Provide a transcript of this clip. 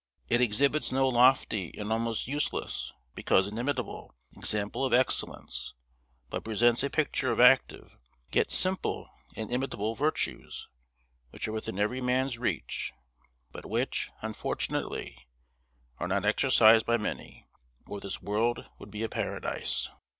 It exhibits no lofty and almost useless, because inimitable, example of excellence; but presents a picture of active, yet simple and imitable virtues, which are within every man's reach, but which, unfortunately, are not exercised by many, or this world would be a paradise.